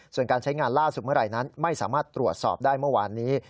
ส่วนการใช้งานล่าสุดเมื่อไหร่นั้นไม่สามารถตรวจสอบได้เมื่อวานนี้